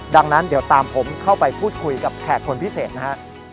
ดังนั้นเดี๋ยวตามผมเข้าไปพูดคุยกับแขกคนพิเศษนะฮะ